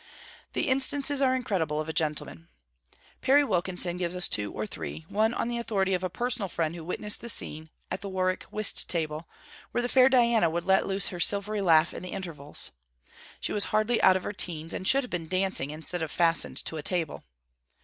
The instances are incredible of a gentleman. Perry Wilkinson gives us two or three; one on the authority of a personal friend who witnessed the scene; at the Warwick whist table, where the fair Diana would let loose her silvery laugh in the intervals. She was hardly out of her teens, and should have been dancing instead of fastened to a table.